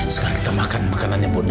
sekarang kita makan makanannya pun